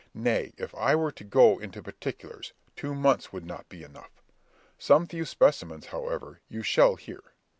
Nay, if I were to go into particulars, two months would not be enough. Some few specimens, however, you shall hear.